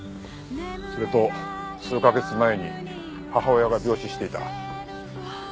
それと数カ月前に母親が病死していた。